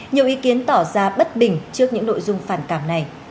nhiều ý kiến tỏ ra bất bình trước những nội dung phản cảm này